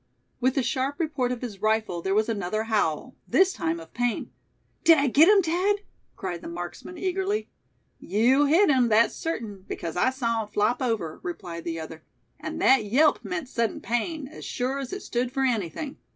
With the sharp report of his rifle there was another howl, this time of pain. "Did I get him, Thad?" cried the marksman, eagerly. "You hit him, that's certain, because I saw him flop over," replied the other; "and that yelp meant sudden pain, as sure as it stood for anything.